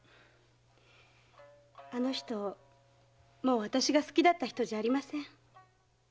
あの人もう私が好きだった人じゃありません。